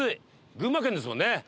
群馬県ですもんね